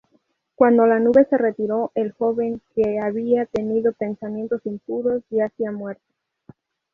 Cuando la nube se retiró, el joven que había tenido pensamientos impuros yacía muerto.